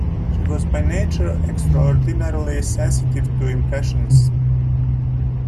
She was by nature extraordinarily sensitive to impressions.